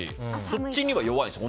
そっちには弱いんです。